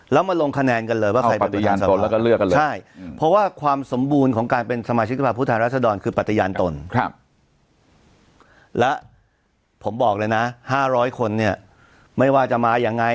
และผมบอกเลยนะ๕๐๐คนเนี่ยไม่ว่าจะมายังไง